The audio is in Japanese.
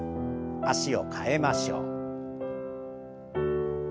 脚を替えましょう。